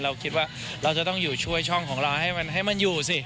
เราคิดว่าเราจะต้องอยู่ช่วยช่องของเราให้มันอยู่สิ